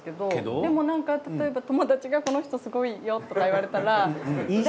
でもなんか例えば友達がこの人すごいよとか言われたら。